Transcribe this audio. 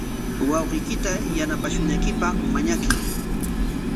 Wawqiykita yanapashunaykipaq mañakuy.